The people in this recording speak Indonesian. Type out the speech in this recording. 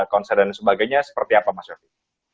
konser dan sebagainya seperti apa mas yofi